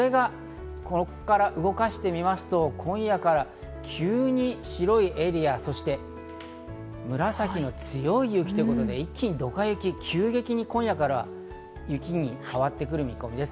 ここから動かしてみますと、今夜から急に白いエリア、そして紫の強い雪ということで一気にドカ雪、急激に今夜から雪に変わってくる見込みです。